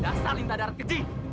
dasar lintas darat keji